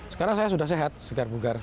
sekarang saya sudah sehat segar bugar